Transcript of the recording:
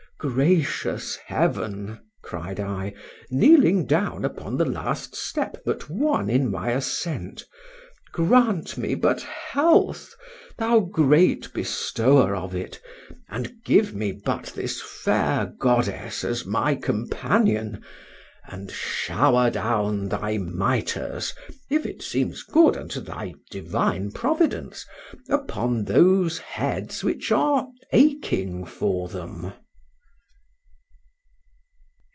—Gracious Heaven! cried I, kneeling down upon the last step but one in my ascent, grant me but health, thou great Bestower of it, and give me but this fair goddess as my companion,—and shower down thy mitres, if it seems good unto thy divine providence, upon those heads which are aching for them!